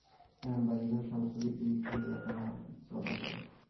এখন বাড়িঘর সমস্ত বিক্রি হইয়া আহার চলা দায়।